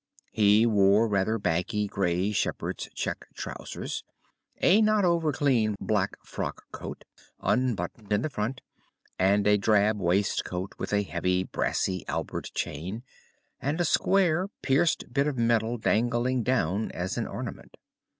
He wore rather baggy grey shepherd's check trousers, a not over clean black frock coat, unbuttoned in the front, and a drab waistcoat with a heavy brassy Albert chain, and a square pierced bit of metal dangling down as an ornament.